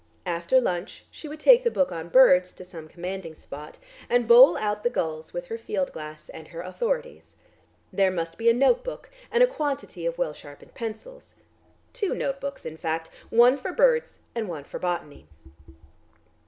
After lunch she would take the book on birds to some commanding spot and bowl out the gulls with her field glass and her authorities. There must be a note book and a quantity of well sharpened pencils. Two note books, in fact, one for birds and one for botany.